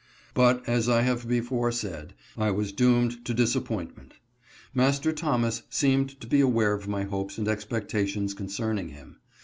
But, as I have before said, I was doomed to disappoint ment. Master Thomas seemed to be aware of my hopes and expectations concerning him.